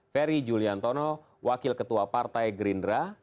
ferry juliantono wakil ketua partai gerindra